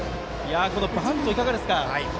バントいかがですか？